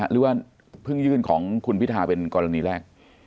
หรือว่าเพิ่งยื่นของคุณพิทาเป็นกรณีแรก